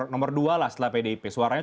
nomor dua lah setelah pdip suaranya